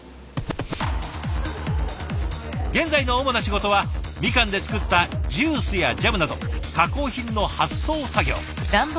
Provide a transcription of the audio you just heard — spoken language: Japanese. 現在の主な仕事はみかんで作ったジュースやジャムなど加工品の発送作業。